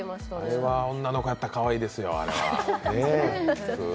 あれは女の子がやったらかわいいですよ。